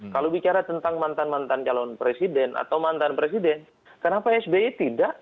kalau bicara tentang mantan mantan calon presiden atau mantan presiden kenapa sby tidak